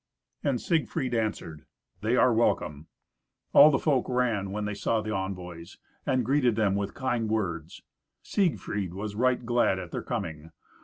And Siegfried answered, "They are welcome." All the folk ran when they saw the envoys and greeted them with kind words. Siegfried was right glad at their coming.